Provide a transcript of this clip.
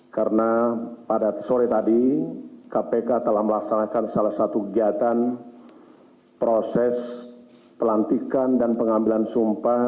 karena pada sore tadi kpk telah melaksanakan salah satu kegiatan proses pelantikan dan pengambilan sumpah